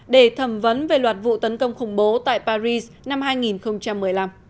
để thẩm vấn về loạt vụ tấn công khủng bố tại paris năm hai nghìn một mươi năm